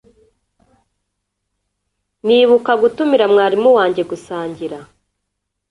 nibuka gutumira mwarimu wanjye gusangira